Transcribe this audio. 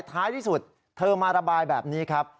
ท้ายที่สุดเธอมาระบายแบบนี้ครับ